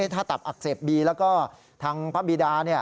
ถ้าตับอักเสบบีแล้วก็ทางพระบิดา